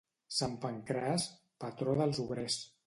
Sant Pancràs, patró dels obrers.